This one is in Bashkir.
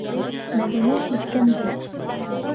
Мәҙинә һиҫкәнде.